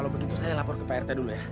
kalau begitu saya lapor ke prt dulu ya